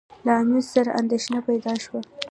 له امیر سره دا اندېښنه پیدا شوه.